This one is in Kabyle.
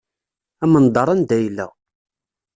Amendeṛ anda yella.